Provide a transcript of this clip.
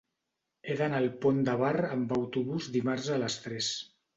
He d'anar al Pont de Bar amb autobús dimarts a les tres.